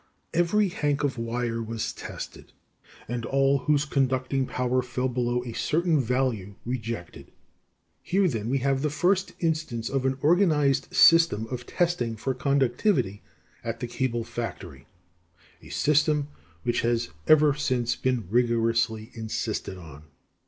Every hank of wire was tested, and all whose conducting power fell below a certain value rejected. Here, then, we have the first instance of an organized system of testing for conductivity at the cable factory a system which has ever since been rigorously insisted on.